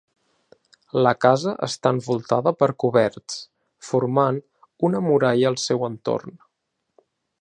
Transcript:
La casa està envoltada per coberts, formant una muralla al seu entorn.